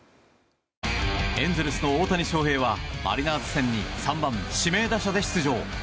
エンゼルスの大谷翔平はマリナーズ戦に３番指名打者で出場。